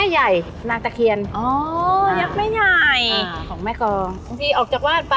ไปตัดมะพร้าวก็ขอมาเยอะ